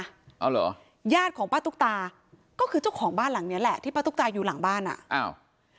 เอาเหรอญาติของป้าตุ๊กตาก็คือเจ้าของบ้านหลังเนี้ยแหละที่ป้าตุ๊กตาอยู่หลังบ้านอ่ะอ้าว